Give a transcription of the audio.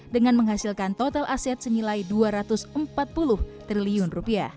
dengan menghasilkan total aset senilai rp dua ratus empat puluh triliun